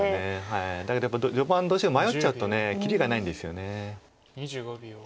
だけどやっぱり序盤どうしても迷っちゃうときりがないんですよね。